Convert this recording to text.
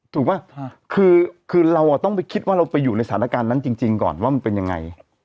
ถูกป่ะคือเราต้องไปคิดว่าเราไปอยู่ในสถานการณ์นั้นจริงก่อนว่ามันเป็นยังไง